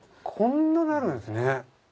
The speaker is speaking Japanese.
こんななるんですね。